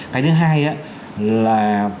cái thứ hai là